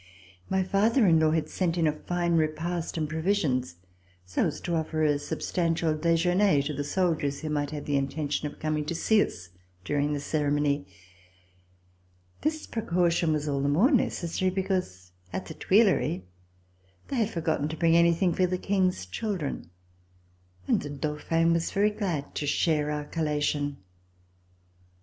My father in law had sent in a fine repast, and provisions, so as to offer a substantial dejeuner to the soldiers who might have the intention of com ing to see us during the ceremony. This precaution was all the more necessary, because at the Tuileries they had forgotten to bring anything for the King's children, and the Dauphin was very glad to share our collation.